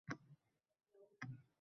Baxtiqaro odam qoʻliga qalam tutdi